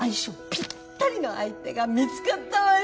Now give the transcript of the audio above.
ぴったりの相手が見つかったわよ！